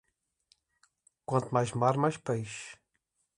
Quanto mais mar, mais peixe.